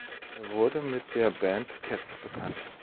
Er wurde mit der Band Cats bekannt.